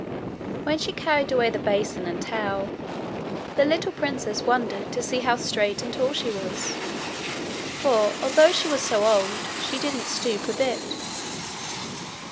When she carried away the basin and towel, the little princess wondered to see how straight and tall she was, for, although she was so old, she didn't stoop a bit.